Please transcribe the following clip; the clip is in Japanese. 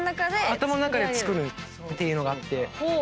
頭で作るっていうのがあって。